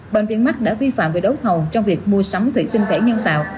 bệnh viện mắt đã vi phạm về đấu thầu trong việc mua sắm thủy tinh thể nhân tạo